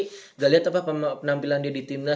nggak liat apa apa penampilan dia di timnya